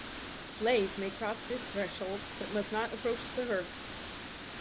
Slaves may cross this threshold, but must not approach the hearth.